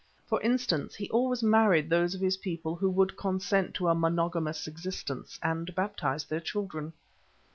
For instance, he always married those of his people who would consent to a monogamous existence, and baptized their children.